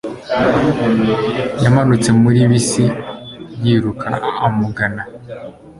Yamanutse muri bisi yiruka amugana.